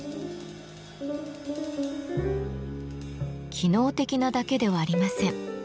機能的なだけではありません。